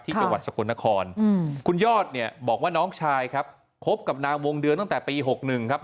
จังหวัดสกลนครคุณยอดเนี่ยบอกว่าน้องชายครับคบกับนางวงเดือนตั้งแต่ปี๖๑ครับ